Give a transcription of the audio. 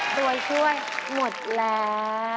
ตัวช่วยหมดแล้ว